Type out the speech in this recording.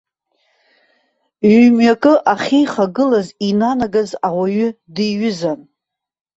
Ҩ-мҩакы ахьеихагылоу инанагаз ауаҩы диҩызан.